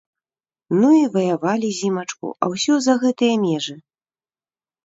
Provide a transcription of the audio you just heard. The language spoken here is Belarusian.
Ну і ваявалі зімачку, а ўсё за гэтыя межы!